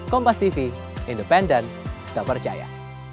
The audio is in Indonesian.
kompastv independen tak percaya